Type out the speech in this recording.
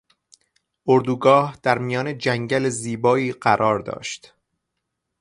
اردوگاه در میان جنگل زیبایی قرار داشت.